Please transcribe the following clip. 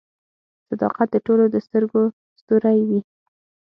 • صداقت د ټولو د سترګو ستوری وي.